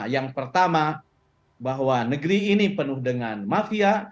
yang pertama bahwa negeri ini penuh dengan mafia